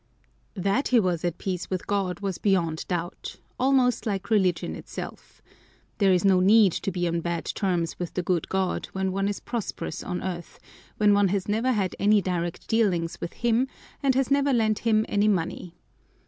That he was at peace with God was beyond doubt, almost like religion itself. There is no need to be on bad terms with the good God when one is prosperous on earth, when one has never had any direct dealings with Him and has never lent Him any money.